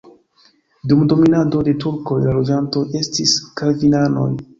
Dum dominado de turkoj la loĝantoj estis kalvinanoj.